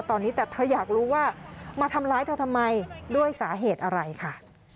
ตอนนี้แต่เธออยากรู้ว่ามาทำร้ายเธอทำไมด้วยสาเหตุอะไรค่ะ